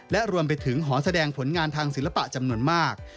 และรวมไปถึงหอแสดงผลงานทางศิลปะจำนวนมาก